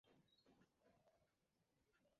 বিশ্বাসীদের, নিষ্পাপ জনগণ সবার মৃত্যু হবে।